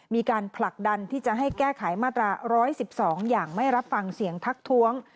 มีการผลักดันที่จะให้แก้ไขมาตรา๑๑๒อย่างไม่รับฟังเสียงทักท้วง